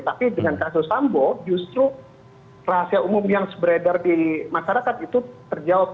tapi dengan kasus sambo justru rahasia umum yang beredar di masyarakat itu terjawab